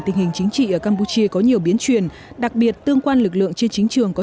tình hình chính trị ở campuchia có nhiều biến truyền đặc biệt tương quan lực lượng trên chính trường có